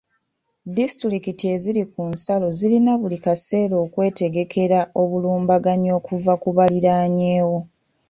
Disitulikiti eziri ku nsalo zirina buli kaseera okwetegekera obulumbaganyi okuva ku baliraanyewo.